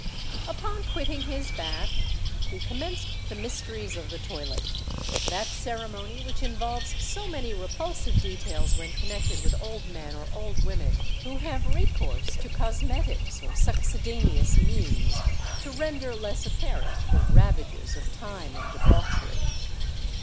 Upon quitting his bath, he commenced the mysteries of the toilet,—that ceremony which involves so many repulsive details when connected with old men or old women who have recourse to cosmetics or succedaneous means to render less apparent the ravages of time and debauchery.